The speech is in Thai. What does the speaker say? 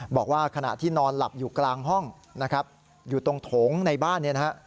บอกว่าขณะที่นอนหลับอยู่กลางห้องนะครับอยู่ตรงโถงในบ้านเนี่ยนะฮะ